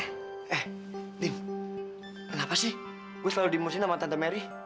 eh dim kenapa sih gue selalu dimusin sama tante mary